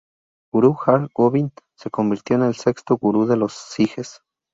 Gurú Har Gobind se convirtió en el sexto gurú de los sijes.